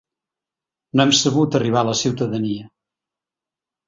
No hem sabut arribar a la ciutadania.